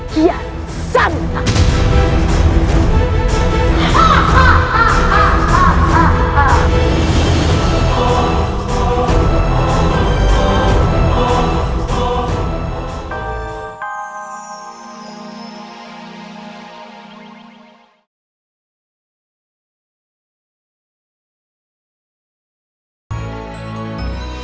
kian santel